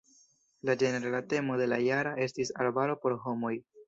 La ĝenerala temo de la jaro estis "Arbaro por homoj".